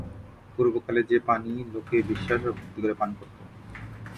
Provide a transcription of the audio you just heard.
পূর্ব কালে যে পানি লোকে বিশ্বাস ও ভক্তি করে পান করতো।